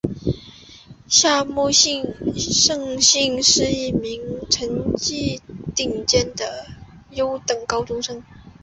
夏木胜幸是一名成绩顶尖的优等高中生。